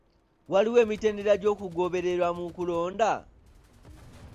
Waliwo emitendera egy'okugobererwa mu kulonda?